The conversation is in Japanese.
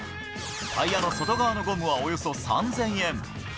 タイヤの外側のゴムはおよそ３０００円。